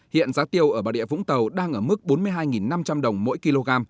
hiện giá tiêu ở bà địa vũng tàu đang ở mức bốn mươi hai năm trăm linh đồng mỗi kg